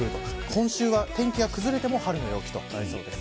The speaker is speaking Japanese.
今週は天気が崩れても春の陽気となりそうです。